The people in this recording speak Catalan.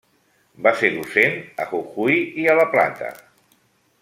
Va ser docent a Jujuy i a La Plata.